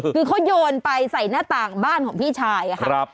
คือเขาโยนไปใส่หน้าต่างบ้านของพี่ชายค่ะ